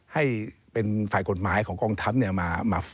ให้เป็นฝ่ายกฎหมายของกองทัพมา